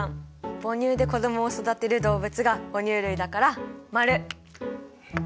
母乳で子どもを育てる動物が哺乳類だから○！